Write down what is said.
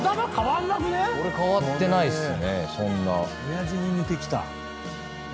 親父に似てきた？